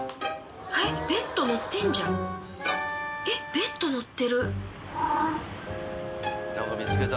ベッド乗ってる。